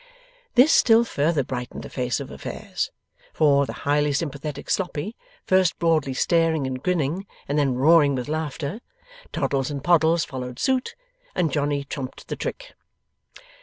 This still further brightened the face of affairs; for, the highly sympathetic Sloppy, first broadly staring and grinning, and then roaring with laughter, Toddles and Poddles followed suit, and Johnny trumped the trick.